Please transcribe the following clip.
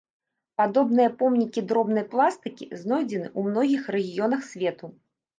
Падобныя помнікі дробнай пластыкі знойдзены ў многіх рэгіёнах свету.